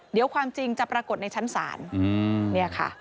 เดี๋ยวความจริงจะปรากฏในชั้นศาล